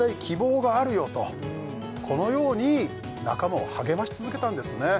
このように仲間を励まし続けたんですね